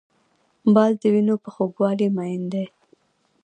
باز د وینو په خوږوالي مین دی